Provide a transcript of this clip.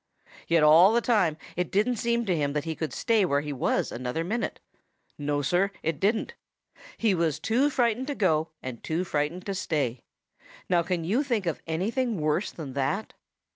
Yet all the time it didn't seem to him that he could stay where he was another minute. No, Sir, it didn't. He was too frightened to go and too frightened to stay. Now can you think of anything worse than that?